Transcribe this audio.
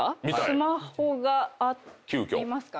スマホがありますかね？